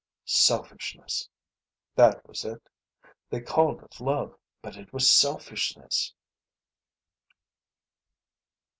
Selfishness. That was it. They called it love, but it was selfishness.